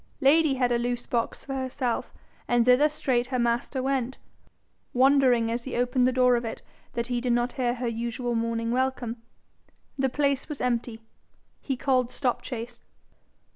Lady had a loose box for herself, and thither straight her master went, wondering as he opened the door of it that he did not hear usual morning welcome. The place was empty. He called Stopchase.